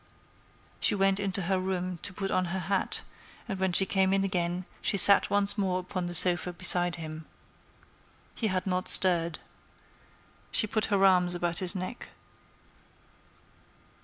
She went into her room to put on her hat, and when she came in again she sat once more upon the sofa beside him. He had not stirred. She put her arms about his neck.